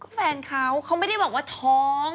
ก็แฟนเขาเขาไม่ได้บอกว่าท้อง